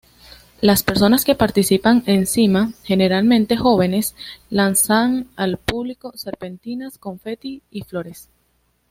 Las personas que participan encima, generalmente jóvenes, lanzan al público serpentinas, confeti y flores.